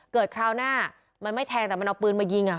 คราวหน้ามันไม่แทงแต่มันเอาปืนมายิง